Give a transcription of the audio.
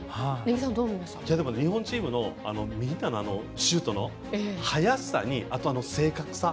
日本チームのシュートの速さと正確さ